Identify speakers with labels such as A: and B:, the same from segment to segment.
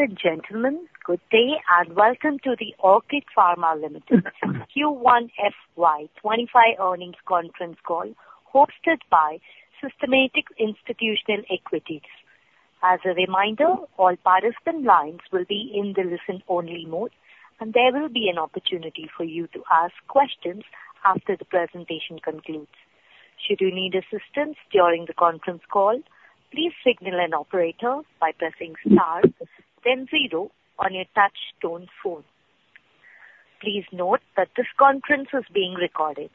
A: Ladies and gentlemen, good day, and welcome to the Orchid Pharma Limited Q1 FY25 earnings conference call, hosted by Systematix Institutional Equities. As a reminder, all participant lines will be in the listen-only mode, and there will be an opportunity for you to ask questions after the presentation concludes. Should you need assistance during the conference call, please signal an operator by pressing star then zero on your touchtone phone. Please note that this conference is being recorded.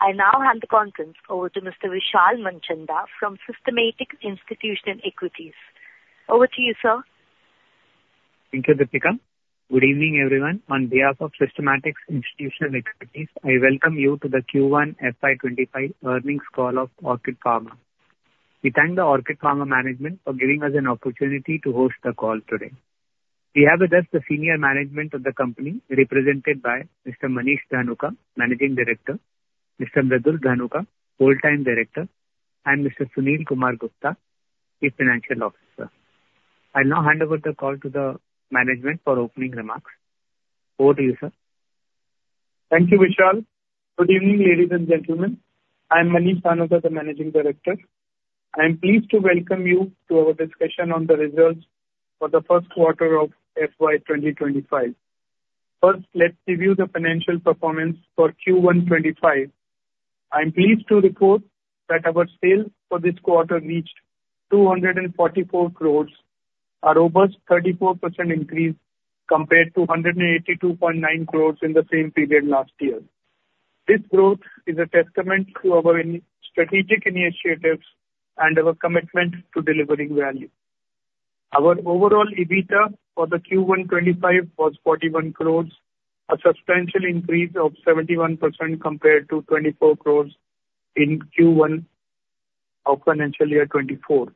A: I now hand the conference over to Mr. Vishal Manchanda from Systematix Institutional Equities. Over to you, sir.
B: Thank you, Deepika. Good evening, everyone. On behalf of Systematix Institutional Equities, I welcome you to the Q1 FY25 earnings call of Orchid Pharma. We thank the Orchid Pharma management for giving us an opportunity to host the call today. We have with us the senior management of the company, represented by Mr. Manish Dhanuka, Managing Director, Mr. Mridul Dhanuka, Full-time Director, and Mr. Sunil Kumar Gupta, the Financial Officer. I'll now hand over the call to the management for opening remarks. Over to you, sir.
C: Thank you, Vishal. Good evening, ladies and gentlemen. I'm Manish Dhanuka, the Managing Director. I'm pleased to welcome you to our discussion on the results for the Q1 of FY 2025. First, let's review the financial performance for Q1 25. I'm pleased to report that our sales for this quarter reached 244 crore, a robust 34% increase compared to 182.9 crore in the same period last year. This growth is a testament to our strategic initiatives and our commitment to delivering value. Our overall EBITDA for the Q1 25 was 41 crore, a substantial increase of 71% compared to 24 crore in Q1 of FY 2024.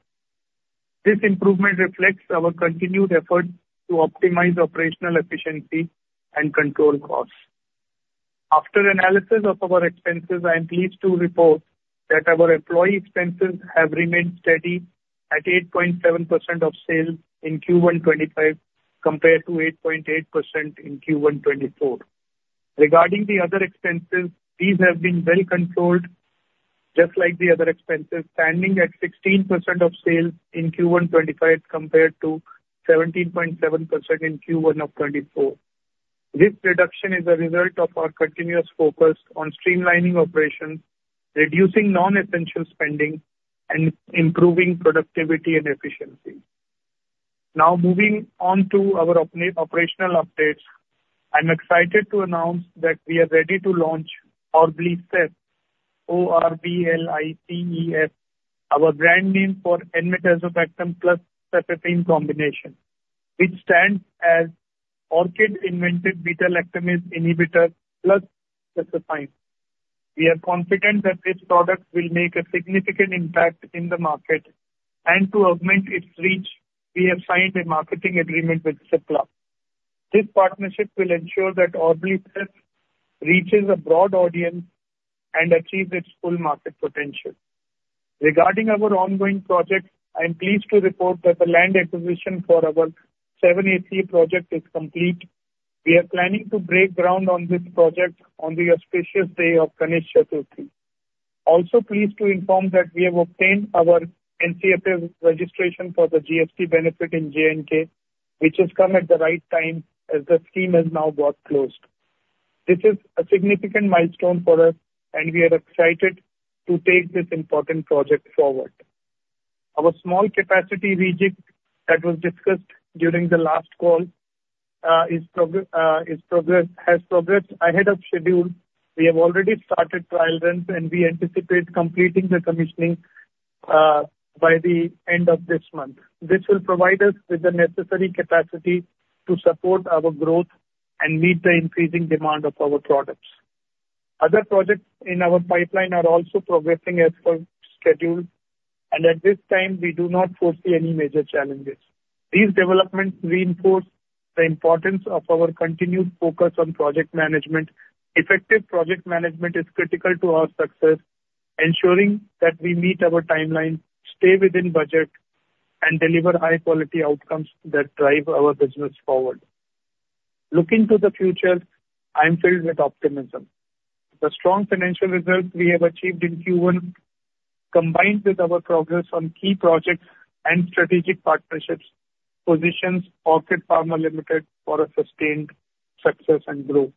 C: This improvement reflects our continued efforts to optimize operational efficiency and control costs. After analysis of our expenses, I am pleased to report that our employee expenses have remained steady at 8.7% of sales in Q1 2025, compared to 8.8% in Q1 2024. Regarding the other expenses, these have been well controlled, just like the other expenses, standing at 16% of sales in Q1 2025, compared to 17.7% in Q1 of 2024. This reduction is a result of our continuous focus on streamlining operations, reducing non-essential spending, and improving productivity and efficiency. Now moving on to our operational updates. I'm excited to announce that we are ready to launch Orblicef, O-R-B-L-I-C-E-F, our brand name for enmetazobactam plus Cefixime combination, which stands as Orchid invented beta-lactamase inhibitor plus cefepime. We are confident that this product will make a significant impact in the market, and to augment its reach, we have signed a marketing agreement with Cipla. This partnership will ensure that Orblicef reaches a broad audience and achieves its full market potential. Regarding our ongoing projects, I'm pleased to report that the land acquisition for our 7-ACA project is complete. We are planning to break ground on this project on the auspicious day of Ganesh Chaturthi. Also pleased to inform that we have obtained our NOC registration for the GST benefit in J&K, which has come at the right time, as the scheme has now got closed. This is a significant milestone for us, and we are excited to take this important project forward. Our small capacity V-GIP that was discussed during the last call is progressing ahead of schedule. We have already started trial runs, and we anticipate completing the commissioning by the end of this month. This will provide us with the necessary capacity to support our growth and meet the increasing demand of our products. Other projects in our pipeline are also progressing as per schedule, and at this time, we do not foresee any major challenges. These developments reinforce the importance of our continued focus on project management. Effective project management is critical to our success, ensuring that we meet our timelines, stay within budget, and deliver high quality outcomes that drive our business forward. Looking to the future, I'm filled with optimism. The strong financial results we have achieved in Q1, combined with our progress on key projects and strategic partnerships, positions Orchid Pharma Limited for a sustained success and growth.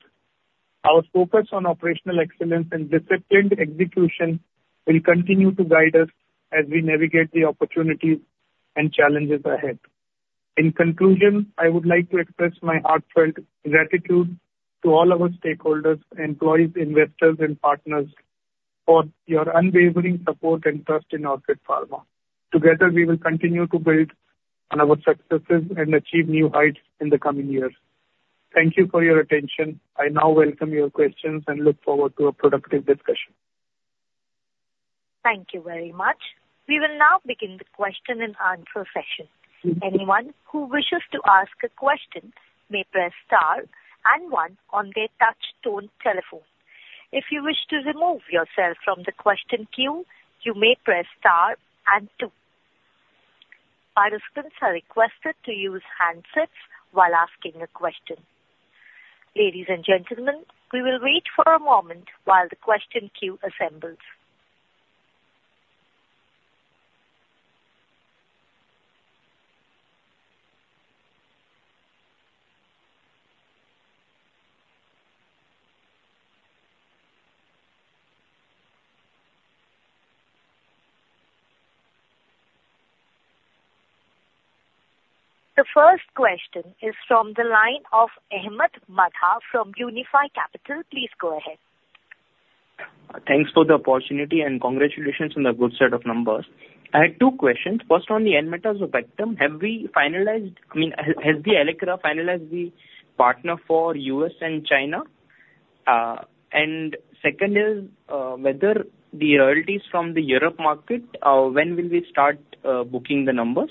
C: Our focus on operational excellence and disciplined execution will continue to guide us as we navigate the opportunities and challenges ahead. In conclusion, I would like to express my heartfelt gratitude to all our stakeholders, employees, investors, and partners for your unwavering support and trust in Orchid Pharma. Together, we will continue to build on our successes and achieve new heights in the coming years. Thank you for your attention. I now welcome your questions and look forward to a productive discussion.
A: Thank you very much. We will now begin the question and answer session. Anyone who wishes to ask a question may press star and one on their touch tone telephone. If you wish to remove yourself from the question queue, you may press star and two. Participants are requested to use handsets while asking a question. Ladies and gentlemen, we will wait for a moment while the question queue assembles. The first question is from the line of Ahmed Madha from Unifi Capital. Please go ahead.
D: Thanks for the opportunity, and congratulations on the good set of numbers. I had two questions. First, on the Allecra, have we finalized, I mean, has the Allecra finalized the partner for US and China? And second is whether the royalties from the Europe market, when will we start booking the numbers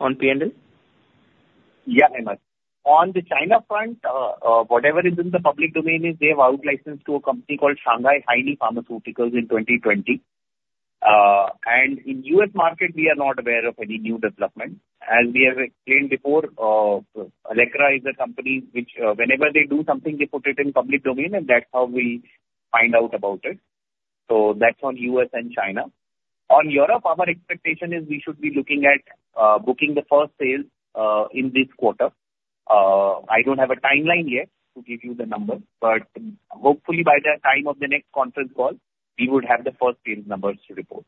D: on PNL?
C: Yeah, Ahmed. On the China front, whatever is in the public domain is they have out-licensed to a company called Shanghai Haili Pharmaceuticals in 2020. And in U.S. market, we are not aware of any new development. As we have explained before, Allecra is a company which, whenever they do something, they put it in public domain, and that's how we find out about it. So that's on U.S. and China. On Europe, our expectation is we should be looking at, booking the first sales, in this quarter. I don't have a timeline yet to give you the numbers, but hopefully by the time of the next conference call, we would have the first sales numbers to report.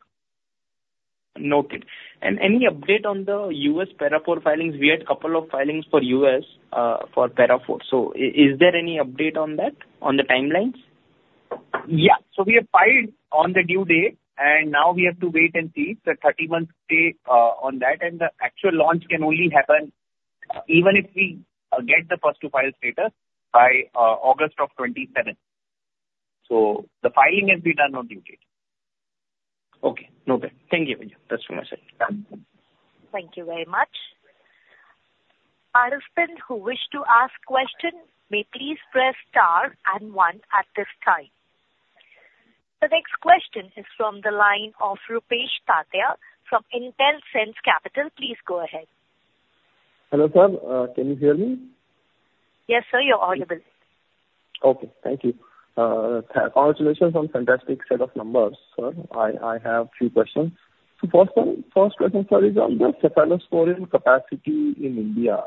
D: Noted. Any update on the US Para IV filings? We had a couple of filings for US, for Para IV. So is there any update on that, on the timelines?
C: Yeah. So we have filed on the due date, and now we have to wait and see. It's a 30-month stay on that, and the actual launch can only happen, even if we get the first to file status, by August of 2027. So the filing has been done on due date.
D: Okay. No, thank you. Thank you, that's from my side.
A: Thank you very much. Participants who wish to ask question may please press star and one at this time. The next question is from the line of Rupesh Tatiya from Intelsense Capital. Please go ahead.
E: Hello, sir. Can you hear me?
A: Yes, sir, you're audible.
E: Okay. Thank you. Congratulations on fantastic set of numbers, sir. I have few questions. So first one, first question, sir, is on the cephalosporin capacity in India.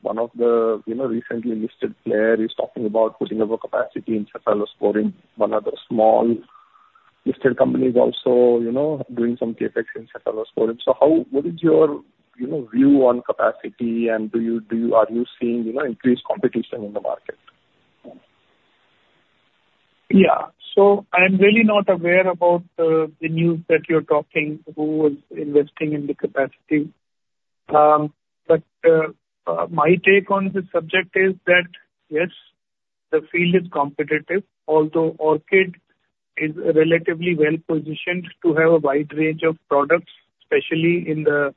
E: One of the, you know, recently listed player is talking about putting up a capacity in cephalosporin. One of the small listed companies also, you know, doing some CapEx in cephalosporin. So how, what is your, you know, view on capacity, and do you are you seeing, you know, increased competition in the market?
C: Yeah. So I'm really not aware about the news that you're talking, who is investing in the capacity. But my take on this subject is that, yes, the field is competitive, although Orchid is relatively well-positioned to have a wide range of products, especially in the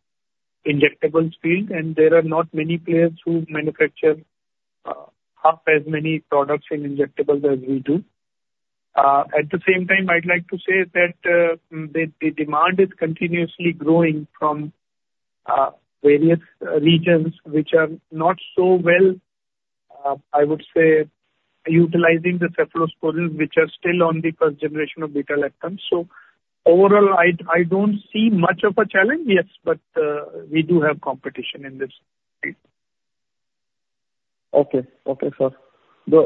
C: injectables field, and there are not many players who manufacture half as many products in injectables as we do. At the same time, I'd like to say that the demand is continuously growing from various regions which are not so well, I would say, utilizing the cephalosporins, which are still on the first generation of beta-lactams. So overall, I don't see much of a challenge. Yes, but we do have competition in this field.
E: Okay. Okay, sir. The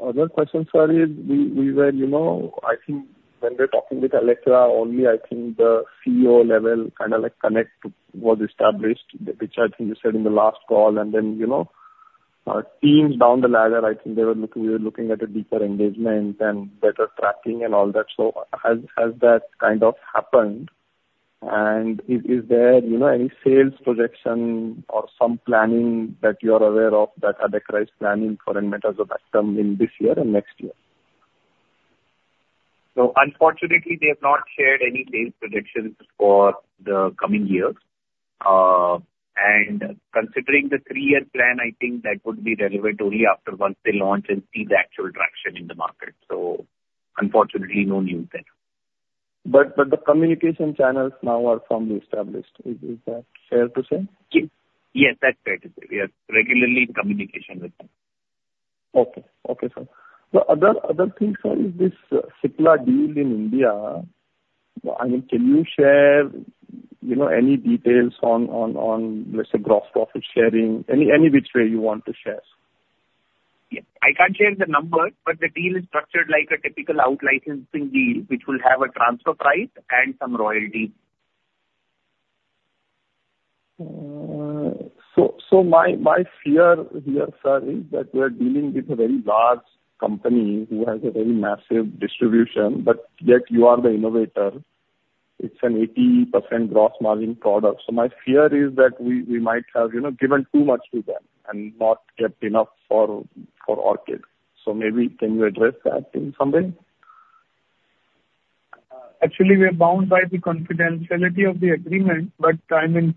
E: other question, sir, is we were, you know... I think when we were talking with Allecra, only I think the CEO level, kind of, like, connect was established, which I think you said in the last call, and then, you know, teams down the ladder, I think they were looking, we were looking at a deeper engagement and better tracking and all that. So has that kind of happened, and is there, you know, any sales projection or some planning that you are aware of that Allecra is planning for in markets for Exblifep in this year and next year?
C: Unfortunately, they have not shared any sales predictions for the coming years. Considering the three-year plan, I think that would be relevant only after once they launch and see the actual traction in the market. Unfortunately, no news there.
E: But the communication channels now are firmly established. Is that fair to say?
C: Yes, that's fair to say. We are regularly in communication with them.
E: Okay, sir. The other thing, sir, is this Cipla deal in India. I mean, can you share, you know, any details on, let's say, gross profit sharing? Any which way you want to share.
C: Yeah. I can't share the numbers, but the deal is structured like a typical out-licensing deal, which will have a transfer price and some royalty.
E: So my fear here, sir, is that we're dealing with a very large company who has a very massive distribution, but yet you are the innovator. It's an 80% gross margin product, so my fear is that we might have, you know, given too much to them and not get enough for Orchid. So maybe can you address that in some way?
C: Actually, we are bound by the confidentiality of the agreement, but I mean,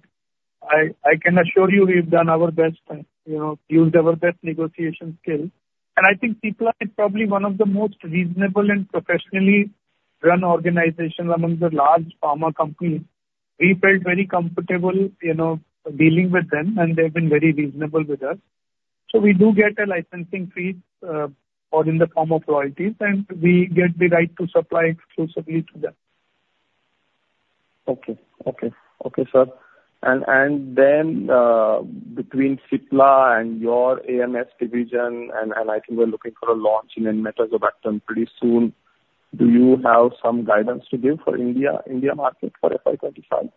C: I can assure you we've done our best and, you know, used our best negotiation skill. I think Cipla is probably one of the most reasonable and professionally run organizations among the large pharma companies. We felt very comfortable, you know, dealing with them, and they've been very reasonable with us. We do get a licensing fee, or in the form of royalties, and we get the right to supply exclusively to them.
E: Okay. Okay, okay, sir. And, and then, between Cipla and your AMS division, and, and I think we're looking for a launch in Enmetazobactam pretty soon. Do you have some guidance to give for India, India market for FY25?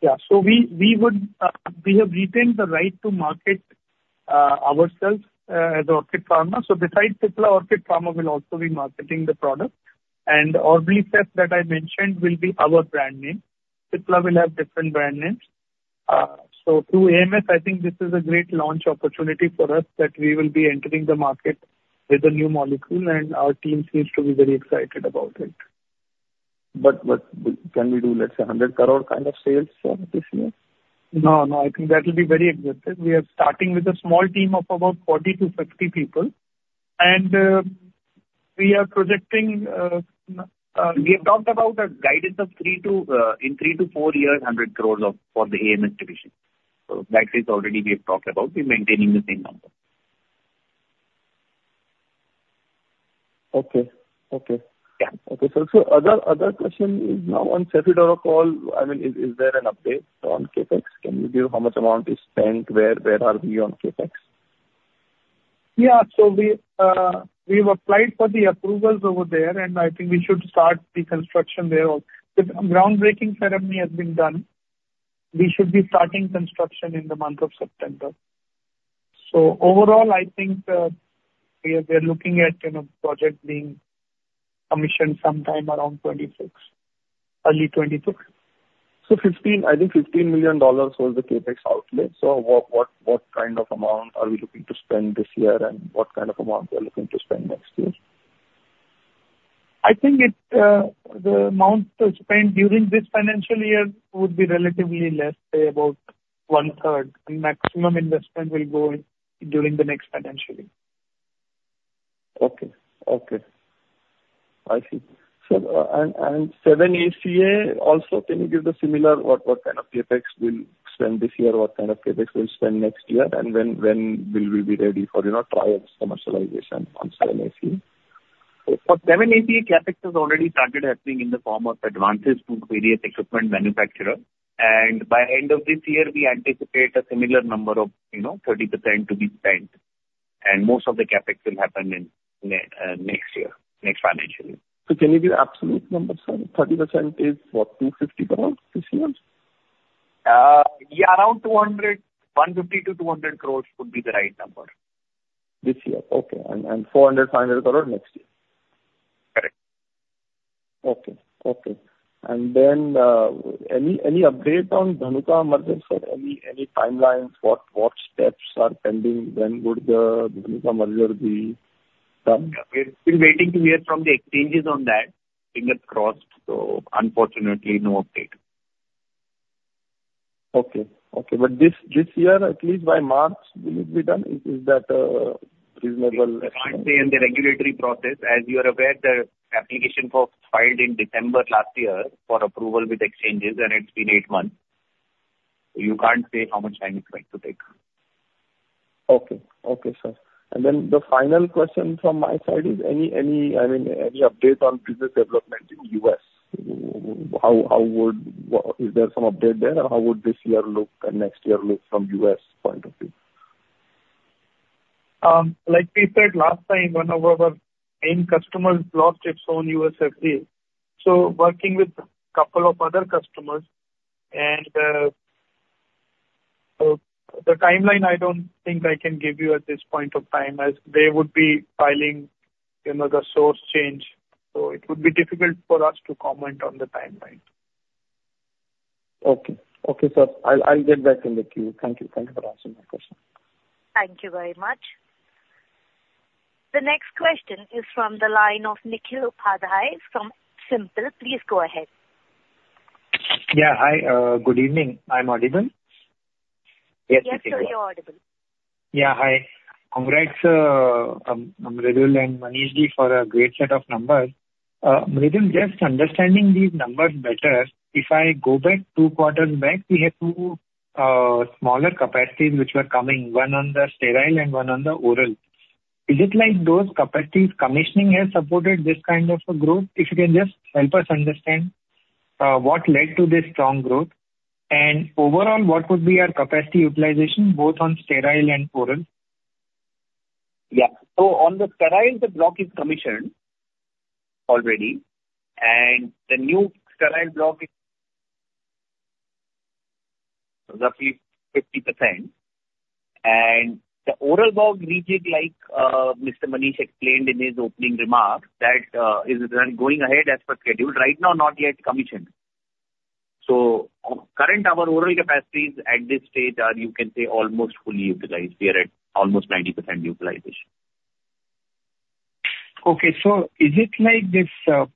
C: Yeah. So we have retained the right to market ourselves as Orchid Pharma. So besides Cipla, Orchid Pharma will also be marketing the product. And Orblicef that I mentioned will be our brand name. Cipla will have different brand names. So through AMS, I think this is a great launch opportunity for us that we will be entering the market with a new molecule, and our team seems to be very excited about it.
E: But can we do, let's say, 100 crore kind of sales for this year?
C: No, no, I think that will be very aggressive. We are starting with a small team of about 40 to 50 people, and, we are projecting, we have talked about a guidance of three to, in 3 to 4 years, 100 crore for the AMS division. So that is already we have talked about, we're maintaining the same number.
E: Okay. Okay.
C: Yeah.
E: Okay, so other question is now on the full call, I mean, is there an update on CapEx? Can you give how much amount is spent, where are we on CapEx?
C: Yeah. So we, we've applied for the approvals over there, and I think we should start the construction there. The groundbreaking ceremony has been done. We should be starting construction in the month of September. So overall, I think, we are, we're looking at, you know, project being commissioned sometime around 2026, early 2026.
E: So $15 million, I think, was the CapEx outlay. So what kind of amount are we looking to spend this year, and what kind of amount we are looking to spend next year?
C: I think the amount to spend during this financial year would be relatively less, say, about one-third, and maximum investment will go in during the next financial year.
E: Okay. Okay. I see. So, 7-ACA also, can you give the similar what kind of CapEx we'll spend this year, what kind of CapEx we'll spend next year, and when will we be ready for, you know, trial commercialization on 7-ACA?
C: For 7-ACA, CapEx has already started happening in the form of advances to various equipment manufacturer. And by end of this year, we anticipate a similar number of, you know, 30% to be spent, and most of the CapEx will happen in next year, next financial year.
E: Can you give absolute numbers, sir? 30% is what, 250 crore this year?
C: Yeah, around 200, 150 to 200 crore would be the right number.
E: This year. Okay. And, and 400 crore to 500 crore next year?
C: Correct.
E: Okay. Any update on the Dhanuka merger, sir? Any timelines, what steps are pending? When would the Dhanuka merger be done?
C: We're still waiting to hear from the exchanges on that. Fingers crossed. Unfortunately, no update.
E: Okay. Okay, but this year, at least by March, will it be done? Is that reasonable-
C: I can't say in the regulatory process, as you are aware, the application form filed in December last year for approval with exchanges, and it's been 8 months. You can't say how much time it's going to take.
E: Okay. Okay, sir. And then the final question from my side is any, any, I mean, any update on business development in U.S.? Is there some update there, or how would this year look and next year look from U.S. point of view?
C: Like we said last time, one of our main customers lost its own US FDA. So working with a couple of other customers, and the timeline, I don't think I can give you at this point of time, as they would be filing, you know, the source change. So it would be difficult for us to comment on the timeline.
E: Okay. Okay, sir. I'll, I'll get back in the queue. Thank you. Thank you for answering my question.
A: Thank you very much. The next question is from the line of Nikhil Upadhyay from SIMPL. Please go ahead.
F: Yeah, hi. Good evening. I'm audible?
A: Yes, sir, you're audible.
F: Yeah, hi. Congrats, Mridul and Manish, for a great set of numbers. Mridul, just understanding these numbers better, if I go back two quarters back, we had two smaller capacities which were coming, one on the sterile and one on the oral. Is it like those capacities commissioning has supported this kind of a growth? If you can just help us understand, what led to this strong growth? And overall, what would be our capacity utilization, both on sterile and oral?
C: Yeah. So on the sterile, the block is commissioned already, and the new sterile block is roughly 50%. And the oral block, we did like, Mr. Manish explained in his opening remarks, that is going ahead as per schedule. Right now, not yet commissioned. So currently, our overall capacities at this stage are, you can say, almost fully utilized. We are at almost 90% utilization.
F: Okay. So is it like this,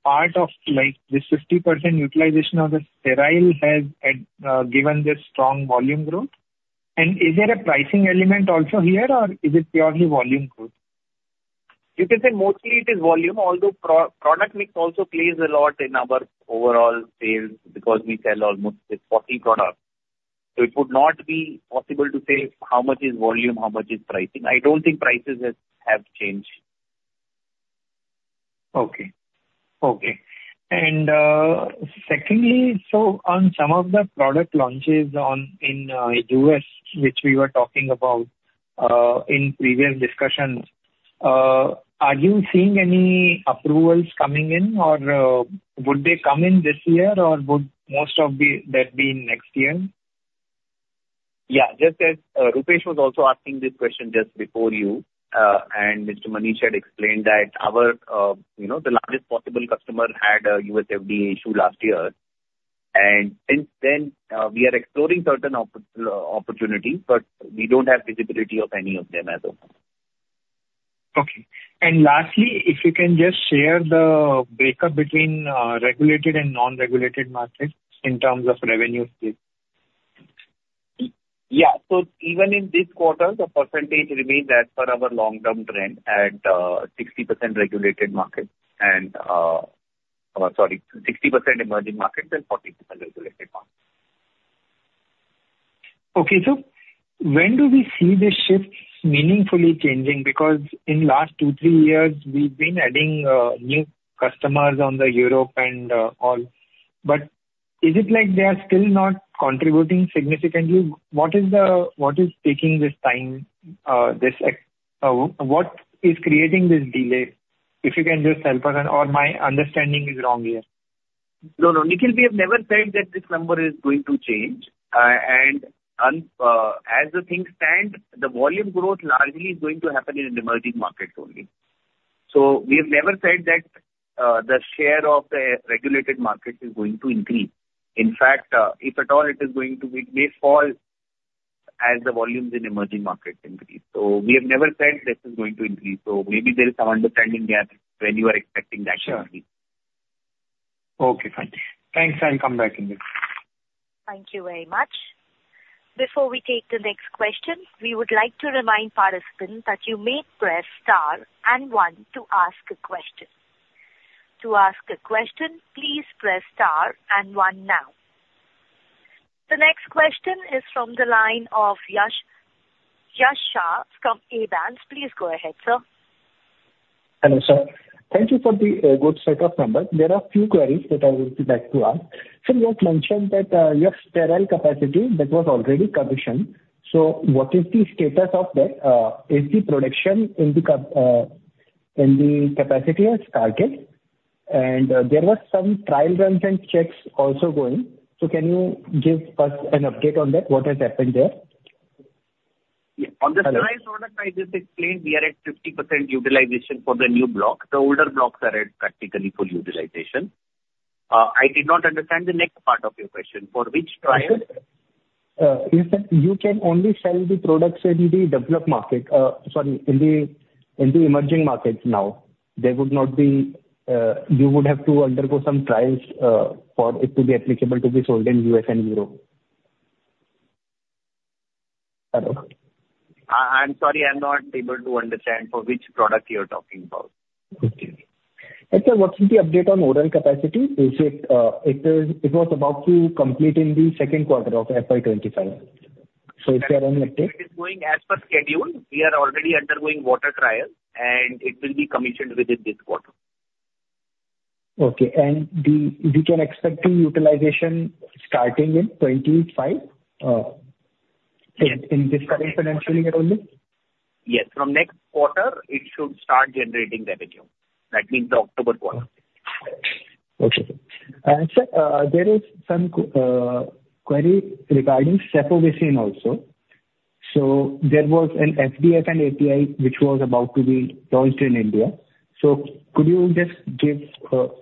F: part of, like, this 50% utilization of the sterile has had, given this strong volume growth? And is there a pricing element also here, or is it purely volume growth?
G: You can say mostly it is volume, although product mix also plays a lot in our overall sales, because we sell almost this 40 products. So it would not be possible to say how much is volume, how much is pricing. I don't think prices have changed.
F: Okay. Okay. And, secondly, so on some of the product launches in U.S., which we were talking about in previous discussions, are you seeing any approvals coming in, or would they come in this year, or would most of that be next year?
G: Yeah, just as Rupesh was also asking this question just before you, and Mr. Manish had explained that our, you know, the largest possible customer had a U.S. FDA issue last year, and since then, we are exploring certain opportunities, but we don't have visibility of any of them as of now.
F: Okay. And lastly, if you can just share the break-up between regulated and non-regulated markets in terms of revenue split.
G: Yeah. So even in this quarter, the percentage remains as per our long-term trend at 60% regulated markets and, sorry, 60% emerging markets and 40% regulated markets.
F: Okay, so when do we see this shift meaningfully changing? Because in last two, three years, we've been adding new customers on the Europe and all, but is it like they are still not contributing significantly? What is the., What is taking this time, this ac-, what is creating this delay? If you can just help us, or my understanding is wrong here.
G: No, no, Nikhil, we have never said that this number is going to change. And as the things stand, the volume growth largely is going to happen in the emerging markets only. So we have never said that, the share of the regulated markets is going to increase. In fact, if at all, it is going to be, may fall as the volumes in emerging markets increase. So we have never said this is going to increase, so maybe there is some understanding there when you are expecting that increase.
F: Sure. Okay, fine. Thanks, I'll come back in this.
A: Thank you very much. Before we take the next question, we would like to remind participants that you may press star and one to ask a question. To ask a question, please press star and one now. The next question is from the line of Yash, Yash Shah from Abans. Please go ahead, sir.
H: Hello, sir. Thank you for the good set of numbers. There are a few queries that I would like to ask. So you have mentioned that you have sterile capacity that was already commissioned, so what is the status of that? Is the production in the capacity has started? And there were some trial runs and checks also going, so can you give us an update on that? What has happened there?
G: Yeah. On the trial product, I just explained we are at 50% utilization for the new block. The older blocks are at practically full utilization. I did not understand the next part of your question. For which trial?
H: You said you can only sell the products in the developed market, sorry, in the emerging markets now. There would not be. You would have to undergo some trials for it to be applicable to be sold in US and Europe. Hello?
G: I'm sorry, I'm not able to understand for which product you're talking about.
H: Okay. And sir, what is the update on overall capacity? Is it, it is, it was about to complete in the Q2 of FY25. So is there any update?
G: It is going as per schedule. We are already undergoing water trial, and it will be commissioned within this quarter.
H: Okay, and we can expect the utilization starting in 2025, in this current financial year only?
G: Yes. From next quarter, it should start generating revenue. That means the October quarter.
H: Okay. And sir, there is some query regarding Cefovecin also. So could you just give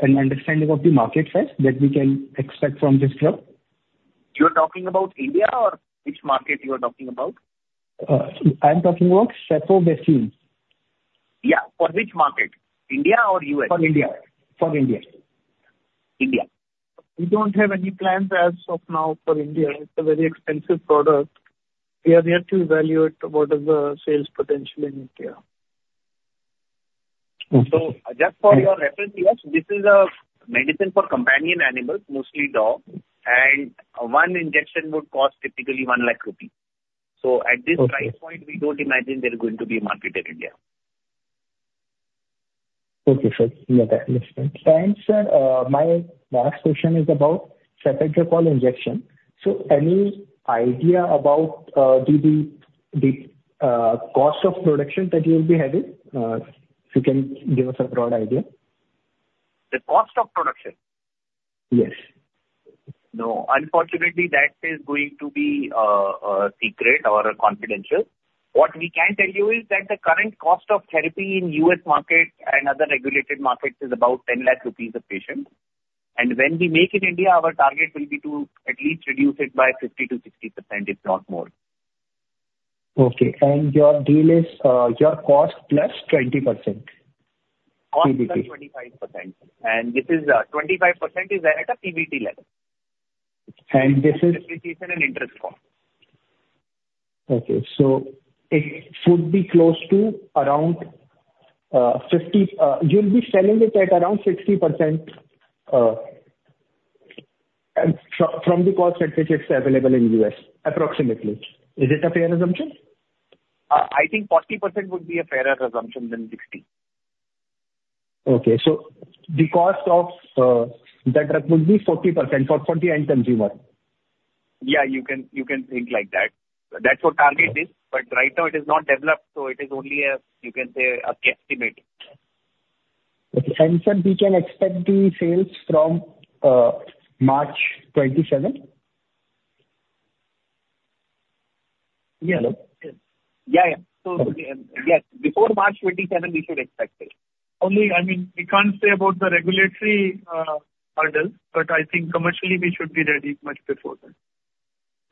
H: an understanding of the market size that we can expect from this drug?
G: You're talking about India, or which market you are talking about?
H: I'm talking about Cefovecin.
G: Yeah. For which market, India or US?
H: For India. For India.
G: India. We don't have any plans as of now for India. It's a very expensive product. We are yet to evaluate what is the sales potential in India.
H: Okay.
G: Just for your reference, yes, this is a medicine for companion animals, mostly dogs, and one injection would cost typically 100,000 rupees. So at this price point-
H: Okay.
G: We don't imagine they're going to be a market in India.
H: Okay, sir. Yeah, that makes sense. Thanks, sir. My last question is about Cefiderocol injection. So any idea about the cost of production that you will be having? If you can give us a broad idea.
G: The cost of production?
H: Yes.
G: No, unfortunately, that is going to be secret or confidential. What we can tell you is that the current cost of therapy in US market and other regulated markets is about 10 lakh rupees a patient. And when we make in India, our target will be to at least reduce it by 50% to 60%, if not more.
H: Okay, and your deal is, your cost plus 20%?
G: Cost plus 25%, and this is, 25% is there at a PBT level.
H: And this is-
G: Depreciation and interest cost.
H: Okay, so it should be close to around 50. You'll be selling it at around 60%, and from the cost at which it's available in U.S., approximately. Is it a fair assumption?
G: I think 40% would be a fairer assumption than 60%.
H: Okay, so the cost of the drug would be 40% for the end consumer?
G: Yeah, you can, you can think like that. That's what target is, but right now it is not developed, so it is only a, you can say, a guesstimate.
H: Okay. And, sir, we can expect the sales from March 27?
G: Yeah.
H: Hello?
G: Yeah, yeah. So, yeah, before March 2027, we should expect it.
C: Only, I mean, we can't say about the regulatory hurdle, but I think commercially we should be ready much before then.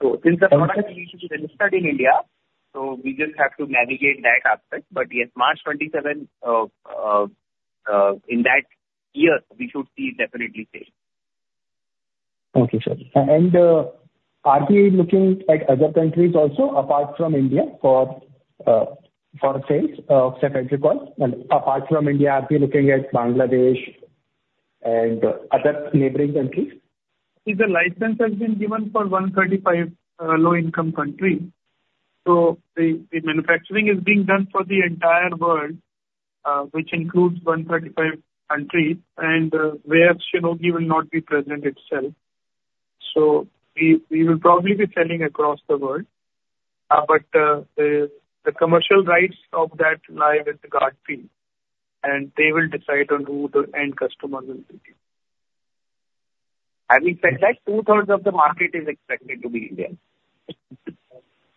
G: So since the product is registered in India, so we just have to navigate that aspect. But yes, March 2027, in that year, we should see definitely sales.
H: Okay, sir. And, are we looking at other countries also, apart from India, for sales of Cefepime? And apart from India, are we looking at Bangladesh and other neighboring countries?
C: See, the license has been given for 135 low-income country, so the manufacturing is being done for the entire world, which includes 135 countries, and where Shionogi will not be present itself. So we will probably be selling across the world, but the commercial rights of that lie with GARDP, and they will decide on who the end customer will be.
G: Having said that, two-thirds of the market is expected to be India.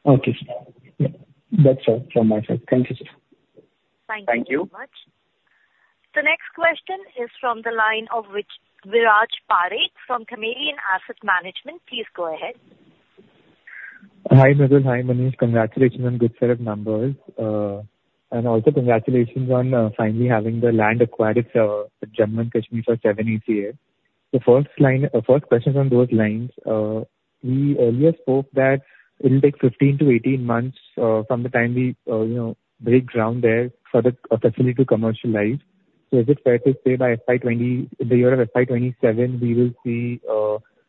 H: Okay, sir. Yeah, that's all from my side. Thank you, sir.
C: Thank you.
A: Thank you very much. The next question is from the line of Viraj Kacharia from Carnelian Asset Management. Please go ahead.
I: Hi, Nikhil. Hi, Manish. Congratulations on good set of numbers. And also congratulations on finally having the land acquired, Jammu and Kashmir for 7-ACA. The first line, first question is on those lines. We earlier spoke that it'll take 15 to 18 months from the time we, you know, break ground there for the facility to commercialize. So is it fair to say by FY 2027, the year of FY 2027, we will see,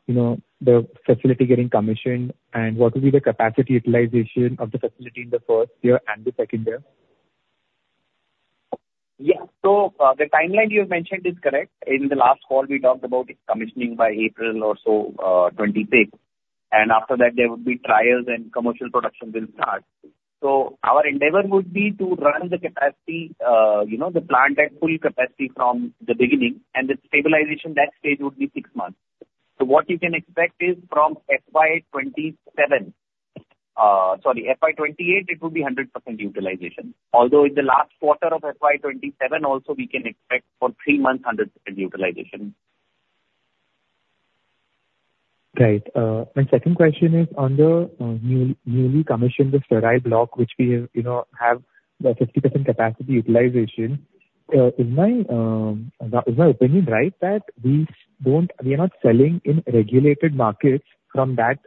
I: you know, the facility getting commissioned? And what will be the capacity utilization of the facility in the first year and the second year?
G: Yeah. So, the timeline you have mentioned is correct. In the last call, we talked about commissioning by April or so, 2026, and after that there would be trials and commercial production will start. So our endeavor would be to run the capacity, you know, the plant at full capacity from the beginning, and the stabilization that stage would be six months. So what you can expect is from FY 2027, sorry, FY 2028, it will be 100% utilization. Although in the last quarter of FY 2027 also we can expect for three months, 100% utilization.
I: Great. My second question is on the newly commissioned sterile block, which we, you know, have the 50% capacity utilization. Is my opinion right that we don't., we are not selling in regulated markets from that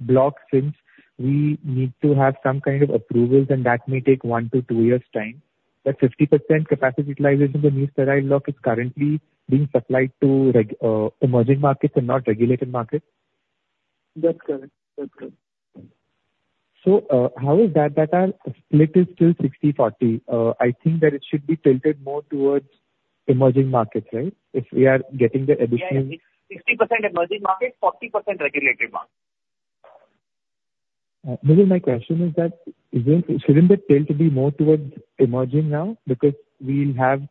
I: block since we need to have some kind of approvals and that may take 1 to 2 years' time? That 50% capacity utilization in the new sterile block is currently being supplied to emerging markets and not regulated markets.
C: That's correct. That's correct.
I: So, how is that data split is still 60/40. I think that it should be tilted more towards emerging markets, right? If we are getting the additional-
G: Yeah, 60% emerging markets, 40% regulated markets.
I: Nikhil, my question is that, isn't, shouldn't it tilt to be more towards emerging now? Because we'll have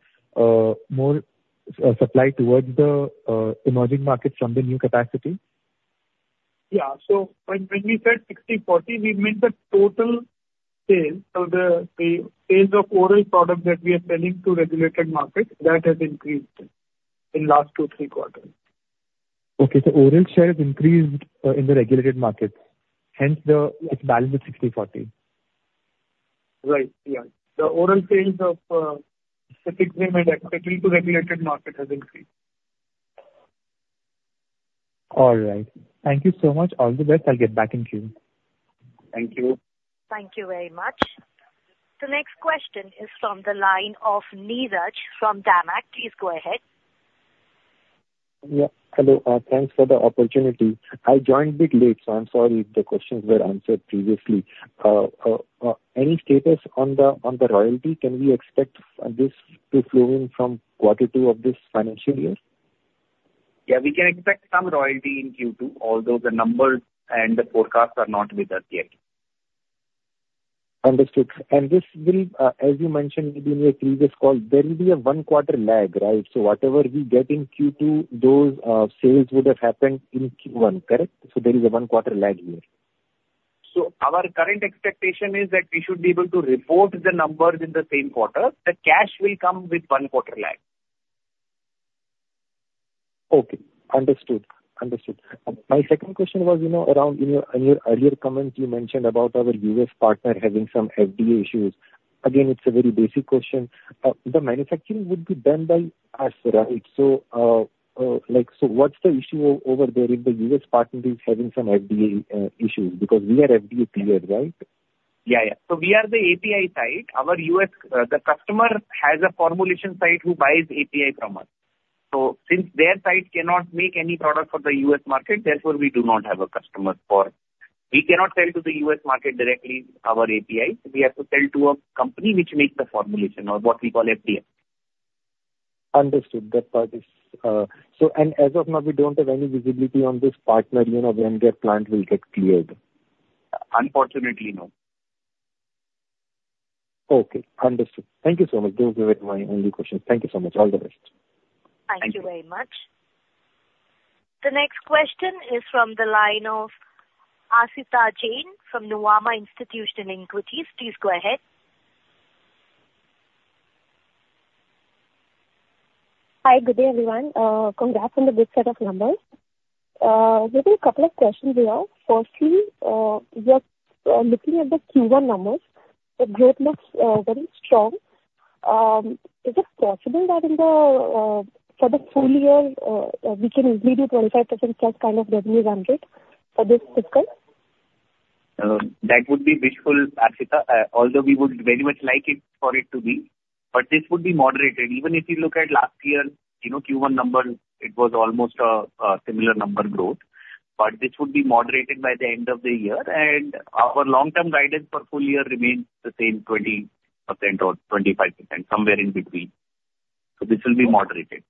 I: more supply towards the emerging markets from the new capacity.
C: Yeah. So when we said 60/40, we meant the total sales. So the sales of oral products that we are selling to regulated markets, that has increased in last two, three quarters.
I: Okay, so oral share has increased in the regulated markets, hence the-
C: Yes.
I: Its balance is 60/40.
C: Right. Yeah. The oral sales of Cefepime and efavirenz to regulated market has increased.
I: All right. Thank you so much. All the best. I'll get back in queue.
C: Thank you.
A: Thank you very much. The next question is from the line of Neeraj from DAM Capital. Please go ahead.
J: Yeah, hello. Thanks for the opportunity. I joined a bit late, so I'm sorry if the questions were answered previously. Any status on the royalty? Can we expect this to flow in from quarter two of this financial year?
G: Yeah, we can expect some royalty in Q2, although the numbers and the forecasts are not with us yet.
J: Understood. This will, as you mentioned in your previous call, there will be a one-quarter lag, right? So whatever we get in Q2, those sales would have happened in Q1, correct? So there is a one-quarter lag here.
G: our current expectation is that we should be able to report the numbers in the same quarter. The cash will come with one quarter lag.
J: Okay. Understood. Understood. My second question was, you know, around in your, in your earlier comments, you mentioned about our US partner having some FDA issues. Again, it's a very basic question. The manufacturing would be done by us, right? So, like, so what's the issue over there if the US partner is having some FDA issues? Because we are FDA cleared, right?
G: Yeah, yeah. So we are the API side. Our US, the customer has a formulation side who buys API from us. So since their side cannot make any product for the US market, therefore, we do not have a customer for. We cannot sell to the US market directly our API. So we have to sell to a company which makes the formulation or what we call FDF.
J: Understood. That part is, so and as of now, we don't have any visibility on this partner, you know, when their plant will get cleared?
G: Unfortunately, no.
J: Okay, understood. Thank you so much. Those were my only questions. Thank you so much. All the best.
A: Thank you very much. The next question is from the line of Aashita Jain from Nuvama Institutional Equities. Please go ahead.
K: Hi, good day, everyone. Congrats on the good set of numbers. We have a couple of questions here. Firstly, just looking at the Q1 numbers, the growth looks very strong. Is it possible that for the full year, we can maybe do 25% plus kind of revenue INR 100 for this fiscal?
L: That would be blissful, Aashita, although we would very much like it for it to be, but this would be moderated. Even if you look at last year, you know, Q1 number, it was almost a similar number growth, but this would be moderated by the end of the year. And our long-term guidance for full year remains the same, 20% or 25%, somewhere in between. So this will be moderated.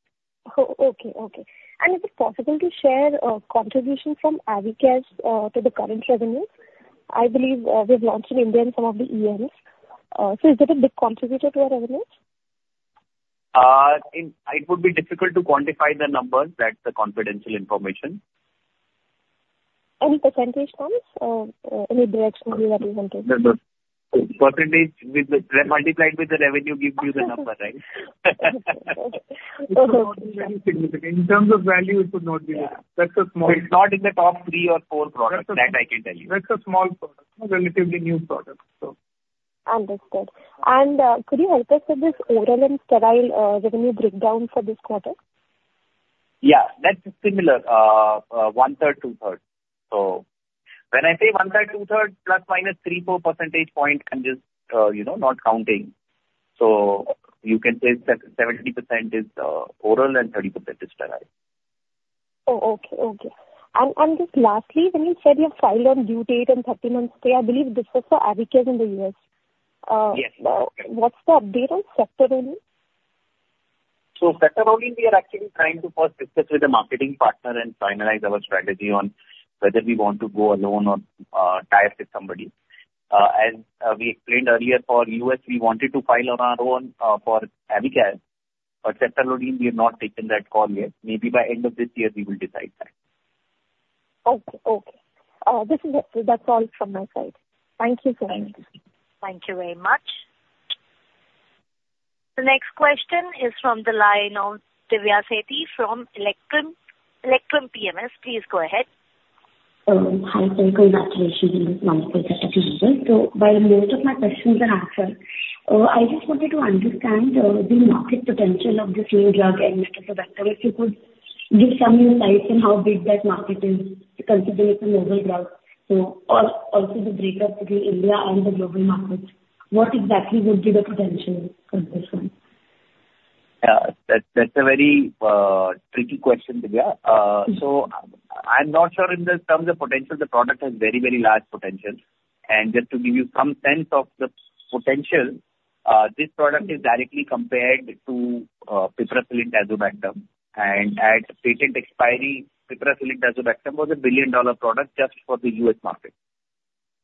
K: Okay, okay. Is it possible to share contribution from Avycaz to the current revenue? I believe we've launched in India in some of the years. So is it a big contributor to our revenue?
L: It would be difficult to quantify the numbers. That's a confidential information.
K: Any percentage points or, any direction you are willing to give?
L: Percentage with the, multiplied with the revenue gives you the number, right?
K: Okay.
C: In terms of value, it would not be wrong. That's a small-
L: It's not in the top three or four products, that I can tell you.
C: That's a small product, a relatively new product, so.
K: Understood. And, could you help us with this overall and sterile, revenue breakdown for this quarter?
L: Yeah, that's similar. 1/3, 2/3. So when I say 1/3, 2/3, ±3 to 4 percentage points, I'm just, you know, not counting. So you can say that 70% is overall and 30% is sterile.
K: Oh, okay. Okay. And, and just lastly, when you said you have filed on due date and thirty months day, I believe this was for Avycaz in the US.
L: Yes.
K: What's the update on Ceftolozane?
G: Ceftolozane, we are actually trying to first discuss with the marketing partner and finalize our strategy on whether we want to go alone or tie up with somebody. As we explained earlier, for U.S., we wanted to file on our own for Avycaz, but Ceftolozane, we have not taken that call yet. Maybe by end of this year, we will decide that.
K: Okay. Okay. This is the., That's all from my side. Thank you so much.
A: Thank you very much. The next question is from the line of Divya Sethi from Electrum, Electrum PMS. Please go ahead.
M: Hi, sir. Congratulations on the set of numbers. So while most of my questions are answered, I just wanted to understand the market potential of this new drug, Enmetazobactam. If you could give some insights on how big that market is, considering it's a novel drug, or also the breakup between India and the global markets, what exactly would be the potential for this one?
L: That's a very tricky question, Divya. So I'm not sure in the terms of potential, the product has very, very large potential. And just to give you some sense of the potential, this product is directly compared to Piperacillin/Tazobactam. And at patent expiry, Piperacillin/Tazobactam was a billion-dollar product just for the U.S. market.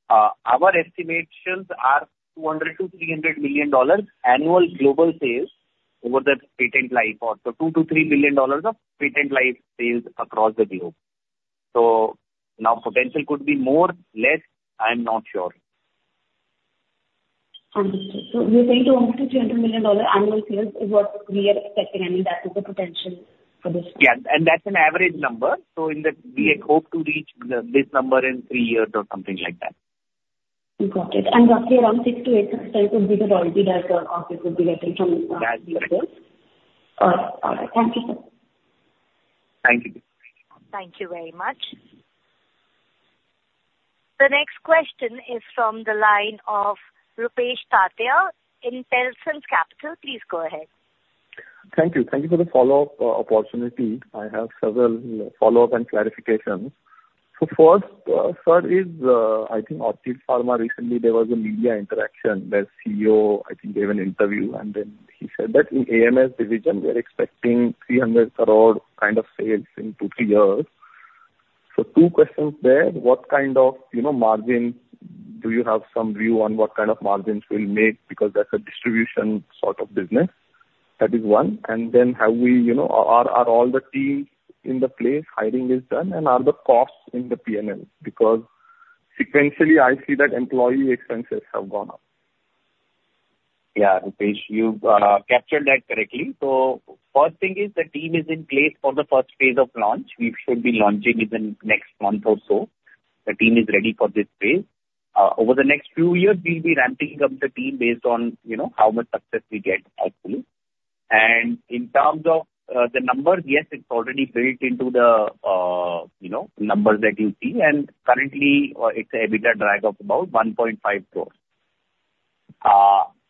L: Our estimations are $200 million to 300 million annual global sales over the patent life, or so $2 billion to 3 billion of patent life sales across the globe. So now potential could be more, less, I'm not sure.
M: Understood. So you're saying $200 million to 300 million annual sales is what we are expecting, I mean, that is the potential for this?
L: Yeah, and that's an average number. So in that, we hope to reach the, this number in three years or something like that.
M: Got it. Roughly around 6% to 8% would be the royalty that Orchid would be getting from. All right. Thank you, sir.
L: Thank you.
A: Thank you very much. The next question is from the line of Rupesh Tatiya, Intelsense Capital. Please go ahead.
E: Thank you. Thank you for the follow-up opportunity. I have several follow-up and clarifications. So first, sir, is, I think Orchid Pharma, recently there was a media interaction. The CEO, I think, gave an interview, and then he said that in AMS division, we are expecting 300 crore kind of sales in two, three years. So two questions there: What kind of, you know, margin, do you have some view on what kind of margins we'll make? Because that's a distribution sort of business. That is one. And then have we, you know, are all the teams in the place, hiring is done? And are the costs in the P&L? Because sequentially, I see that employee expenses have gone up.
L: Yeah, Ritesh, you've captured that correctly. So first thing is the team is in place for the first phase of launch. We should be launching within next month or so. The team is ready for this phase. Over the next few years, we'll be ramping up the team based on, you know, how much success we get actually. And in terms of the numbers, yes, it's already built into the, you know, numbers that you see, and currently, it's EBITDA drag of about 1.5 crore.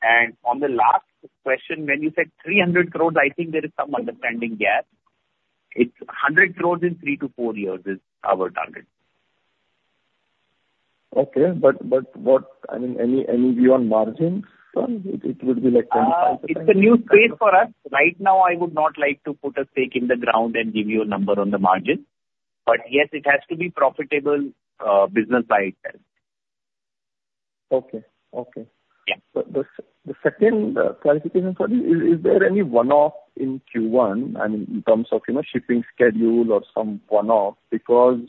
L: And on the last question, when you said 300 crore, I think there is some understanding gap. It's 100 crore in 3 to 4 years is our target.
E: Okay. But what, I mean, any view on margins, sir? It would be like 25%-
G: It's a new space for us. Right now, I would not like to put a stake in the ground and give you a number on the margin. But yes, it has to be profitable business by itself.
E: Okay. Okay.
G: Yeah.
E: So the second clarification for you is there any one-off in Q1, I mean, in terms of, you know, shipping schedule or some one-off? Because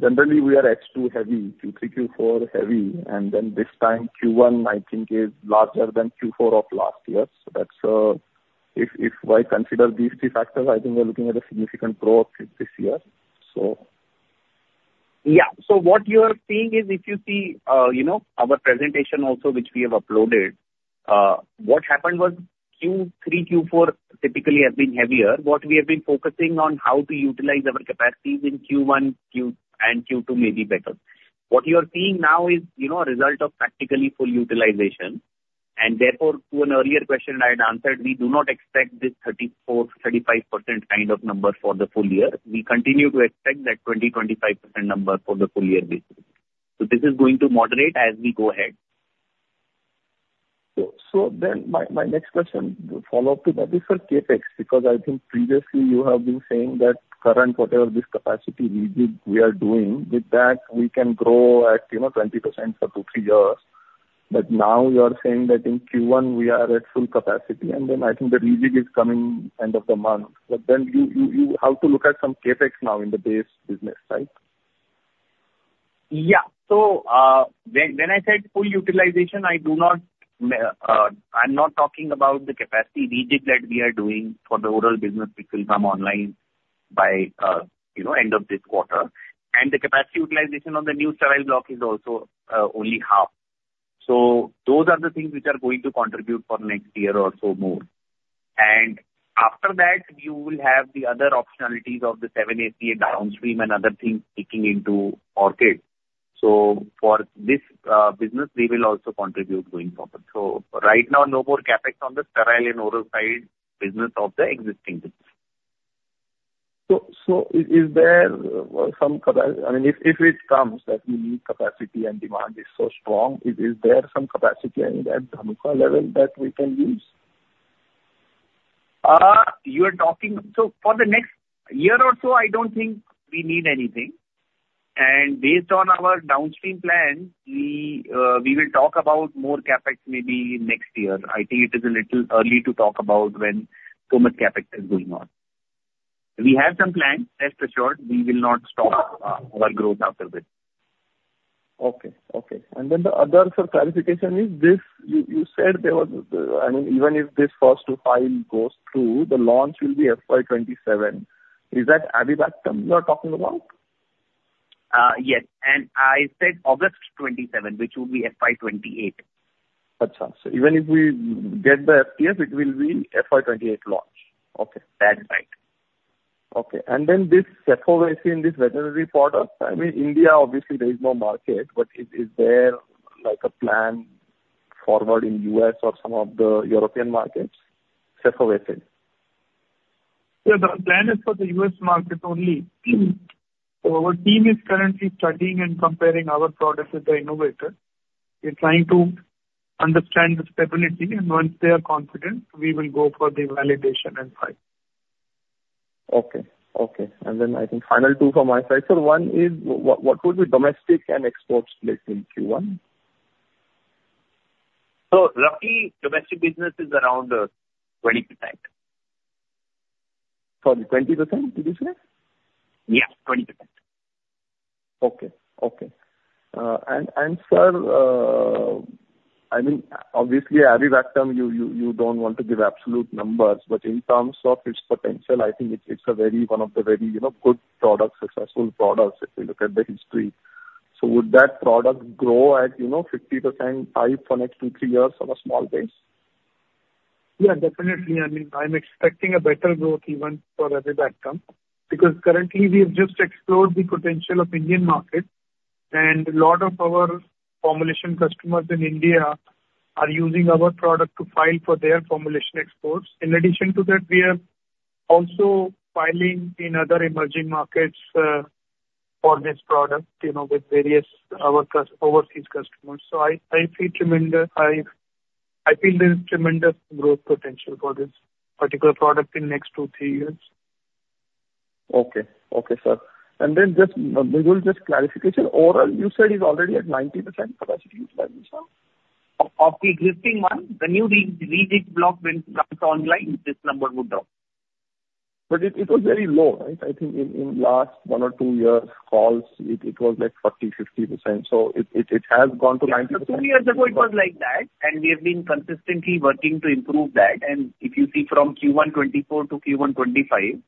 E: generally we are H2 heavy, Q3, Q4 heavy, and then this time, Q1, I think, is larger than Q4 of last year. So that's if I consider these three factors, I think we're looking at a significant growth this year, so.
G: Yeah. So what you are seeing is, if you see, you know, our presentation also, which we have uploaded, what happened was Q3, Q4 typically have been heavier. What we have been focusing on how to utilize our capacities in Q1 and Q2 may be better. What you are seeing now is, you know, a result of practically full utilization, and therefore, to an earlier question I had answered, we do not expect this 34% to 35% kind of number for the full year. We continue to expect that 20% to 25% number for the full year basis. So this is going to moderate as we go ahead.
E: So then my next question, the follow-up to that is for CapEx, because I think previously you have been saying that current, whatever this capacity we did, we are doing, with that, we can grow at, you know, 20% for two, three years. But now you are saying that in Q1 we are at full capacity, and then I think the rejig is coming end of the month. But then you have to look at some CapEx now in the base business, right?
G: Yeah. So, when, when I said full utilization, I do not, I'm not talking about the capacity rejig that we are doing for the oral business, which will come online by, you know, end of this quarter. And the capacity utilization on the new sterile block is also, only half. So those are the things which are going to contribute for next year or so more. And after that, you will have the other optionalities of the 7-ACA downstream and other things kicking into Orchid. So for this, business, we will also contribute going forward. So right now, no more CapEx on the sterile and oral side business of the existing business.
E: So, is there some capacity? I mean, if it comes that we need capacity and demand is so strong, is there some capacity at Dhanuka level that we can use?
G: You are talking, so for the next year or so, I don't think we need anything. And based on our downstream plan, we will talk about more CapEx maybe next year. I think it is a little early to talk about when so much CapEx is going on. We have some plans. Rest assured, we will not stop our growth after this.
E: Okay. Okay. And then the other sort of clarification is this. You said there was., I mean, even if this first file goes through, the launch will be FY 2027. Is that Avibactam you are talking about?
G: Yes, and I said August 2027, which will be FY 2028.
E: Gotcha. So even if we get the FTF, it will be FY 2028 launch. Okay.
G: That's right.
E: Okay. And then this Cefovecin, this veterinary product, I mean, India, obviously there is no market, but is there like a plan forward in U.S. or some of the European markets? Cefovecin.
C: Yeah, the plan is for the U.S. market only. Our team is currently studying and comparing our product with the innovator. We are trying to understand the stability, and once they are confident, we will go for the validation and file.
E: Okay. Okay. And then I think final two from my side. So one is what would be domestic and export split in Q1?
G: Roughly, domestic business is around 20%.
E: Sorry, 20%, did you say?
G: Yeah, 20%.
E: Okay. Okay. And sir, I mean, obviously, Avibactam, you don't want to give absolute numbers, but in terms of its potential, I think it's one of the very, you know, good products, successful products, if you look at the history. So would that product grow at, you know, 50% high for next two, three years on a small base?
C: Yeah, definitely. I mean, I'm expecting a better growth even for Avibactam, because currently we have just explored the potential of Indian market, and a lot of our formulation customers in India are using our product to file for their formulation exports. In addition to that, we are also filing in other emerging markets for this product, you know, with various of our overseas customers. So I feel tremendous. I feel there is tremendous growth potential for this particular product in next two, three years. Okay. Okay, sir. And then just maybe just clarification, Orblicef you said is already at 90% capacity utilization?
E: Of the existing one. The new sterile block when comes online, this number would drop.
C: But it was very low, right? I think in last one or two years calls, it has gone to 90%-
G: Yeah, two years ago, it was like that, and we have been consistently working to improve that. And if you see from Q1 2024 to Q1 2025,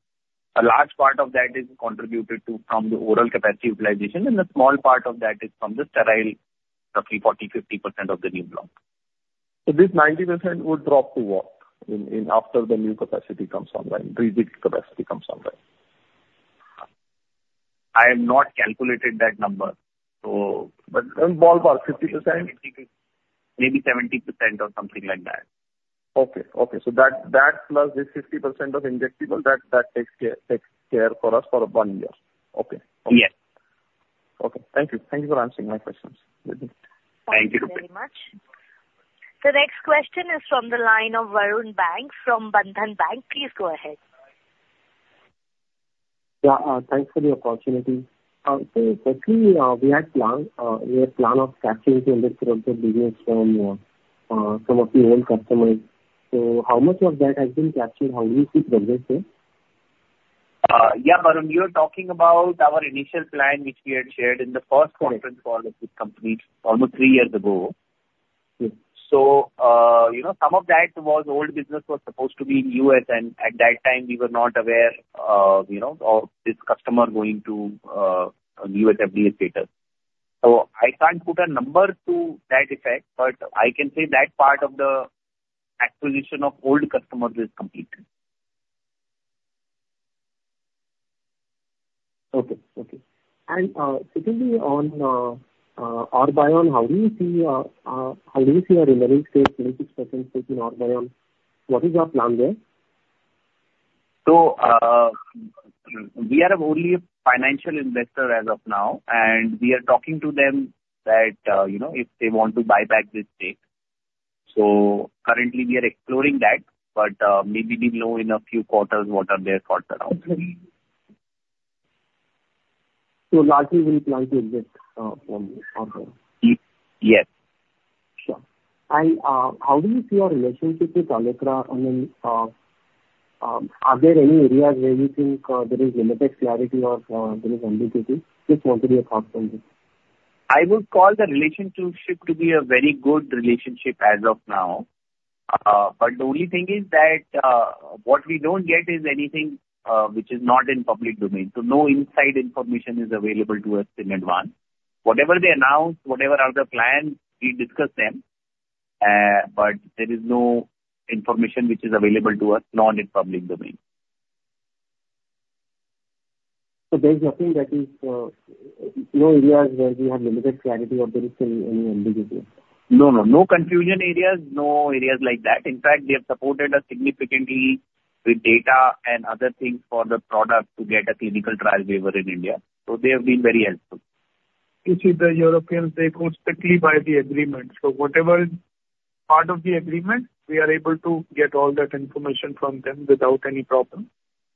G: a large part of that is contributed to from the oral capacity utilization, and a small part of that is from the sterile, roughly 40% to 50% of the new block.
E: This 90% would drop to what after the new capacity comes online, rated capacity comes online?
G: I have not calculated that number, so-
E: But in ballpark, 50%?
L: Maybe 70% or something like that.
E: Okay. So that plus this 50% of injectable takes care for us for one year. Okay.
C: Yes. Okay. Thank you. Thank you for answering my questions. Thank you.
A: Thank you very much. The next question is from the line of Varun Bang, from Bandhan AMC. Please go ahead.
N: Yeah, thanks for the opportunity. So lately, we had planned, we had plan of capturing the industry of the business from some of the old customers. So how much of that has been captured? How do you see progress here?
G: Yeah, Varun, you're talking about our initial plan, which we had shared in the first conference-
N: Yes
G: call of this company almost three years ago.
N: Yes.
G: So, you know, some of that was old business was supposed to be in U.S., and at that time, we were not aware, you know, of this customer going to, a U.S. FDA status. So I can't put a number to that effect, but I can say that part of the acquisition of old customers is complete.
N: Okay. Okay. And, secondly, on Orbion, how do you see your remaining stake, 26% stake in Orbion? What is your plan there?
G: So, we are only a financial investor as of now, and we are talking to them that, you know, if they want to buy back the stake. Currently we are exploring that, but, maybe we'll know in a few quarters what are their thoughts around it.
N: So largely we plan to exit from Orbion.
G: Y- Yes.
N: Sure. And how do you see your relationship with Allecra? I mean, are there any areas where you think there is limited clarity or there is ambiguity? Just want to be across from you.
G: I would call the relationship to be a very good relationship as of now. But the only thing is that, what we don't get is anything, which is not in public domain, so no inside information is available to us in advance. Whatever they announce, whatever are the plans, we discuss them, but there is no information which is available to us, not in public domain.
N: So there is nothing that is, no areas where we have limited clarity or there is any, any ambiguity?
G: No, no. No confusion areas, no areas like that. In fact, they have supported us significantly with data and other things for the product to get a clinical trial waiver in India. So they have been very helpful.
C: You see, the Europeans, they go strictly by the agreement. So whatever part of the agreement, we are able to get all that information from them without any problem,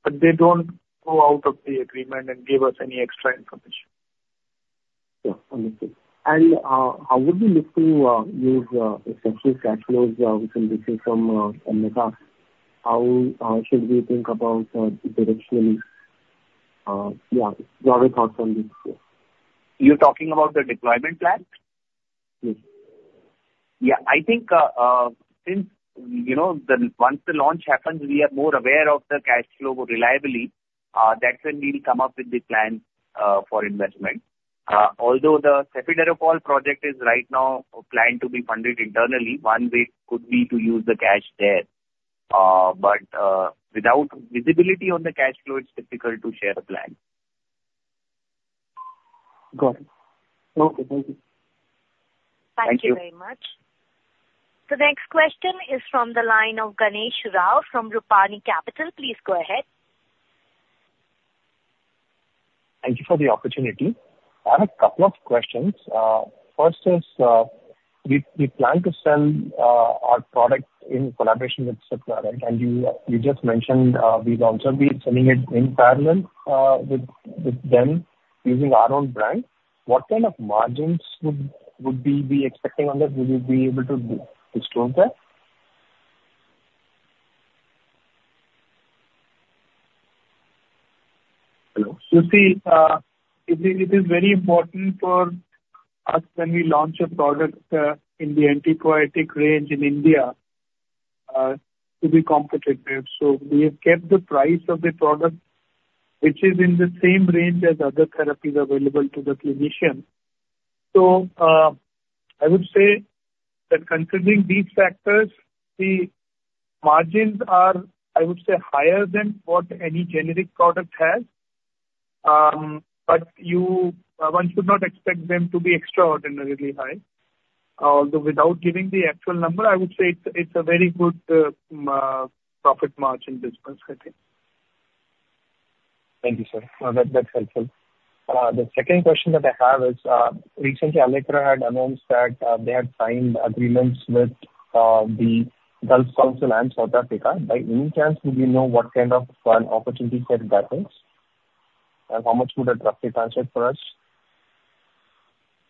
C: but they don't go out of the agreement and give us any extra information.
N: Yeah. Understood. And how would you look to use essentially cash flows which will receive from Allecra? How should we think about directionally? Yeah, your thoughts on this, please.
G: You're talking about the deployment plan?
N: Yes.
G: Yeah. I think, since, you know, once the launch happens, we are more aware of the cash flow more reliably, that's when we'll come up with the plan for investment. Although the Cefiderocol project is right now planned to be funded internally, one way could be to use the cash there. But without visibility on the cash flow, it's difficult to share a plan.
N: Got it. Okay. Thank you.
G: Thank you.
A: Thank you very much. The next question is from the line of Ganesh Rao from Rupani Capital. Please go ahead.
O: Thank you for the opportunity. I have a couple of questions. First is, we plan to sell our product in collaboration with Cipla, and you just mentioned, we'd also be selling it in parallel with them using our own brand. What kind of margins would we be expecting on that? Would you be able to disclose that?
C: Hello. You see, it is, it is very important for us when we launch a product, in the antibiotic range in India, to be competitive. So we have kept the price of the product, which is in the same range as other therapies available to the clinician. So, I would say that considering these factors, the margins are, I would say, higher than what any generic product has. But you, one should not expect them to be extraordinarily high. Although without giving the actual number, I would say it's a, it's a very good, profit margin business, I think.
O: Thank you, sir. That, that's helpful. The second question that I have is, recently, Allecra had announced that, they had signed agreements with, the Gulf Council and South Africa. By any chance, do you know what kind of an opportunity set that is, and how much would it translate for us?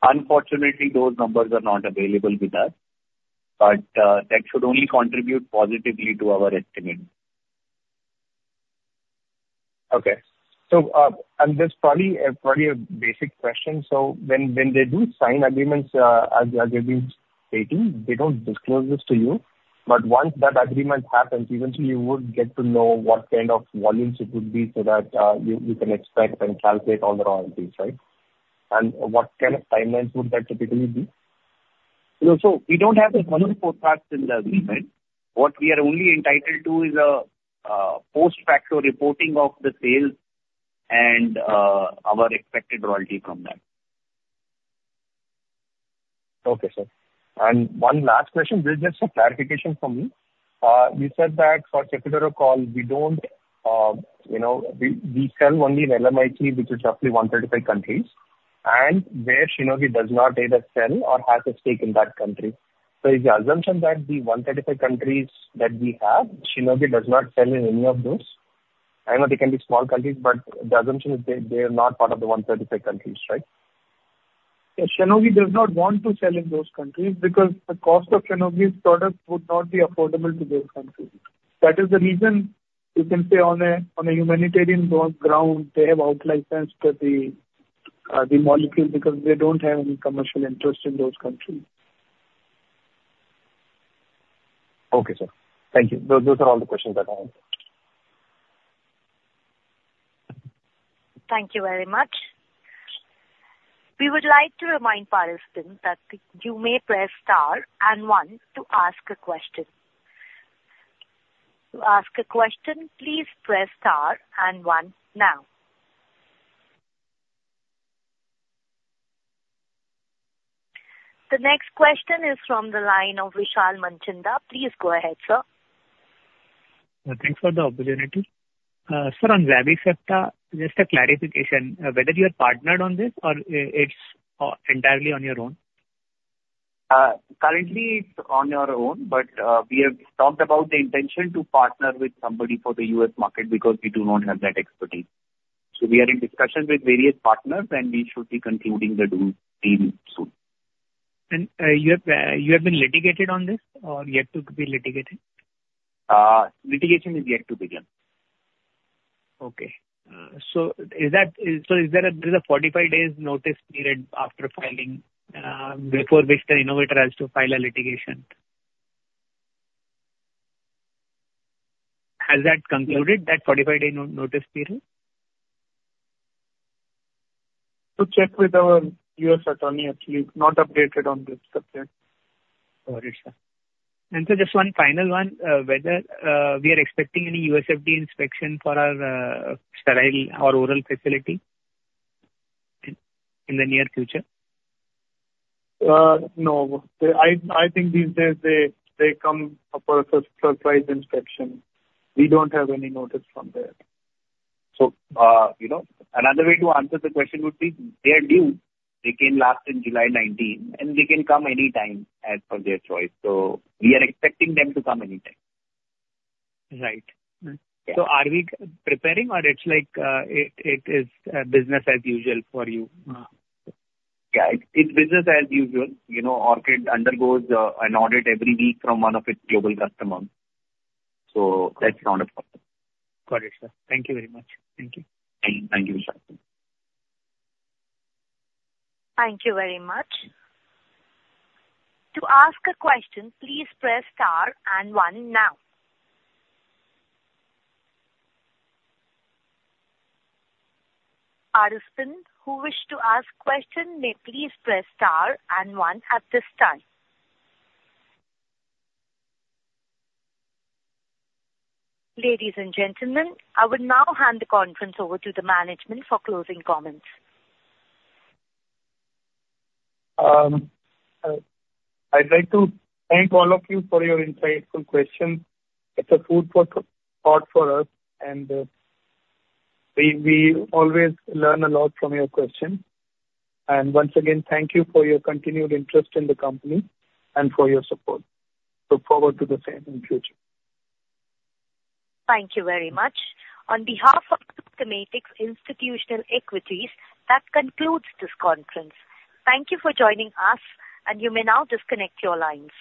G: Unfortunately, those numbers are not available with us, but that should only contribute positively to our estimate.
O: Okay. So, and this is probably a basic question: so when they do sign agreements, as they've been stating, they don't disclose this to you, but once that agreement happens, eventually you would get to know what kind of volumes it would be, so that you can expect and calculate on the royalties, right? And what kind of timelines would that typically be?
G: You know, so we don't have the financial parts in the agreement. What we are only entitled to is a post-facto reporting of the sales and our expected royalty from that.
O: Okay, sir. One last question, this is just for clarification for me. You said that for Cefiderocol, we don't, you know, we sell only in LMIC, which is roughly 135 countries, and where Shionogi does not either sell or has a stake in that country. So is the assumption that the 135 countries that we have, Shionogi does not sell in any of those? I know they can be small countries, but the assumption is they are not part of the 135 countries, right?
C: Yeah. Shionogi does not want to sell in those countries because the cost of Shionogi's product would not be affordable to those countries. That is the reason you can say on a humanitarian ground, they have out-licensed the molecule, because they don't have any commercial interest in those countries.
O: Okay, sir. Thank you. Those are all the questions that I have.
A: Thank you very much. We would like to remind participants that you may press star and one to ask a question. To ask a question, please press star and one now. The next question is from the line of Vishal Manchanda. Please go ahead, sir.
B: Thanks for the opportunity. Sir, on Zavicefta, just a clarification, whether you are partnered on this or it's entirely on your own?
G: Currently it's on our own, but we have talked about the intention to partner with somebody for the U.S. market because we do not have that expertise. So we are in discussion with various partners, and we should be concluding the deal pretty soon.
B: You have been litigated on this or yet to be litigated?
G: Litigation is yet to begin.
B: Okay. So is there a 45 day notice period after filing before which the innovator has to file a litigation? Has that concluded, that 45 day notice period?
C: To check with our U.S. attorney, actually, not updated on this subject.
B: Got it, sir. Just one final one, whether we are expecting any US FDA inspection for our sterile or oral facility in the near future?
C: No. I think these days they come for a surprise inspection. We don't have any notice from there.
G: So, you know, another way to answer the question would be they are due. They came last in July 2019, and they can come anytime as per their choice, so we are expecting them to come anytime.
B: Right.
G: Yeah.
B: So are we preparing, or it's like it is business as usual for you?
G: Yeah, it's business as usual. You know, Orchid undergoes an audit every week from one of its global customers, so that's not a problem.
B: Got it, sir. Thank you very much. Thank you.
G: Thank you, Vishal.
A: Thank you very much. To ask a question, please press star and one now. Participants who wish to ask question may please press star and one at this time. Ladies and gentlemen, I will now hand the conference over to the management for closing comments.
C: I'd like to thank all of you for your insightful questions. It's food for thought for us, and we always learn a lot from your questions. Once again, thank you for your continued interest in the company and for your support. Look forward to the same in future.
A: Thank you very much. On behalf of the Systematix Institutional Equities, that concludes this conference. Thank you for joining us, and you may now disconnect your lines.